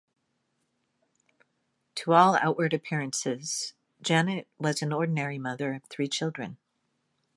To all outward appearances, Janet was an ordinary mother of three children.